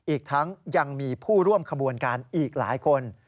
อีกทั้งยังมีผู้ร่วมขบวนการอีกหลายคน